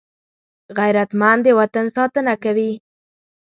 غیرتمند د وطن ساتنه کوي